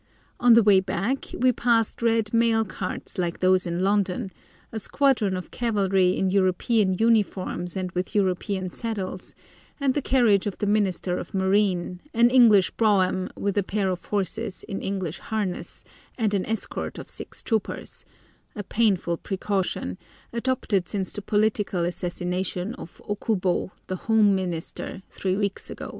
On the way back we passed red mail carts like those in London, a squadron of cavalry in European uniforms and with European saddles, and the carriage of the Minister of Marine, an English brougham with a pair of horses in English harness, and an escort of six troopers—a painful precaution adopted since the political assassination of Okubo, the Home Minister, three weeks ago.